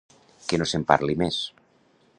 Que no se'n parli més.